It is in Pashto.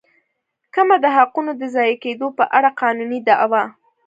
کمه د حقونو د ضایع کېدو په اړه قانوني دعوه.